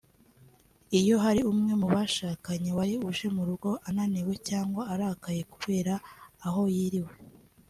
Iyo hari umwe mu bashakanye wari uje mu rugo ananiwe cyangwa arakaye kubera aho yiriwe